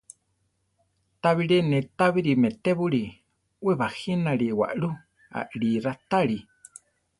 Ta bilé ne tábiri meʼtébuli; we bajínare waʼlú, aʼlí raʼtáli.